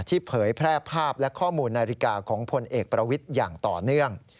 เผยแพร่ภาพและข้อมูลนาฬิกาของพลเอกประวิทย์อย่างต่อเนื่อง